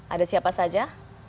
ada siapa saja